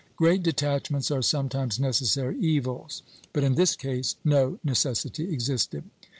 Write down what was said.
Great detachments are sometimes necessary evils, but in this case no necessity existed.